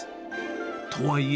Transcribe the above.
とはいえ。